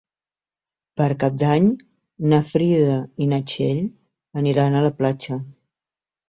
Per Cap d'Any na Frida i na Txell aniran a la platja.